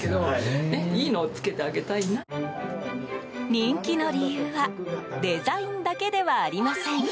人気の理由はデザインだけではありません。